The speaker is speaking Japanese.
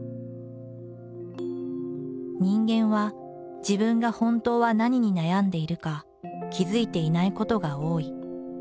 「人間は自分が本当は何に悩んでいるか気付いていないことが多い。